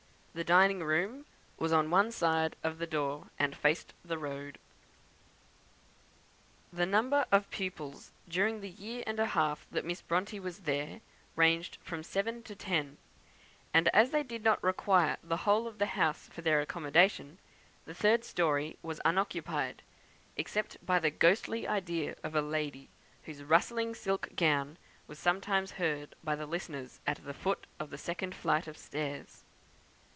The dining room was on one side of the door, and faced the road. The number of pupils, during the year and a half Miss Bronte was there, ranged from seven to ten; and as they did not require the whole of the house for their accommodation, the third story was unoccupied, except by the ghostly idea of a lady, whose rustling silk gown was sometimes heard by the listeners at the foot of the second flight of stairs.